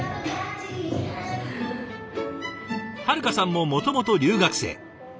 遥花さんももともと留学生。